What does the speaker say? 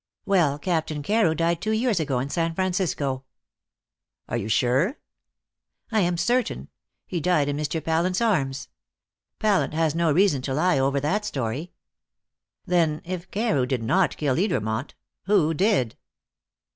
Well, Captain Carew died two years ago in San Francisco." "Are you sure?" "I am certain. He died in Mr. Pallant's arms. Pallant has no reason to lie over that story." "Then, if Carew did not kill Edermont, who did?"